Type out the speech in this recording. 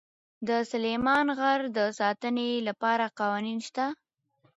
د سلیمان غر د ساتنې لپاره قوانین شته.